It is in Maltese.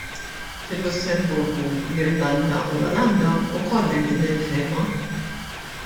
Fil-Lussemburgu, l-Irlanda u l-Olanda wkoll hemm din il-fehma.